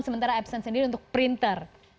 sementara epson sendiri untuk printer